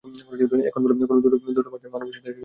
এখন বলো কোন দুষ্ট বাচ্চাটা ছায়া মানবের সাথে ঝামেলাতে জড়িয়েছ?